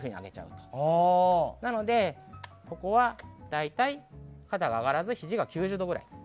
なので、ここは大体肩が上がらずひじが９０度くらい。